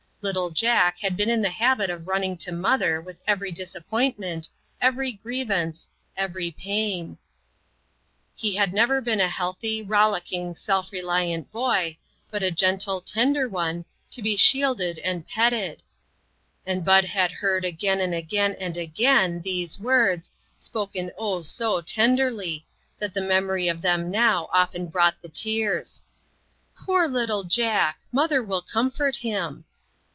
Little Jack had been in the habit of running to mother with every disappointment, every grievance, every pain. He had never been a healthy, rollicking, self reliant boy, but a gentle, tender one, to be shielded and petted ; and Bud had heard again and again, and again these words, spoken oh' so tenderly, that the memory of BUD IN SEARCH OF COMFORT. 2/3 them now often brought the tears :" Poor little Jack ! mother will comfort him